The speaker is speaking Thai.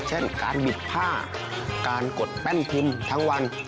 เช่นการบิดผ้าการกดแป้นพิมพ์ทั้งวัน